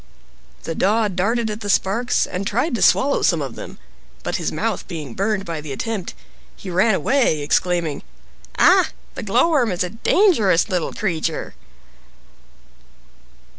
The Daw darted at the sparks and tried to swallow some of them, but his mouth being burned by the attempt, he ran away exclaiming, "Ah, the Glowworm is a dangerous little creature!"